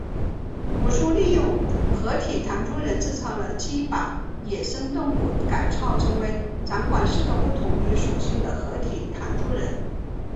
武殊利用合体弹珠人制造机把野生动物改造成为掌管四个不同属性的合体弹珠人。